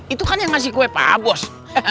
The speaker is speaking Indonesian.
itu kan yang ngasih kue pak abbos